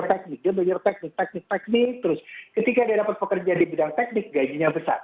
biasanya bidangnya sama dia belajar teknik dia belajar teknik teknik teknik terus ketika dia dapat pekerjaan di bidang teknik gajinya besar